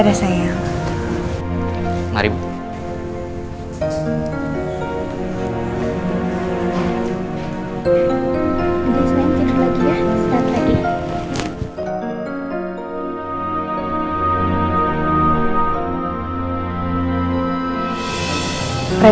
udah seneng seneng lagi ya lihat lagi